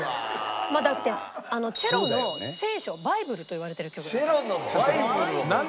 だってチェロの聖書バイブルといわれてる曲だから。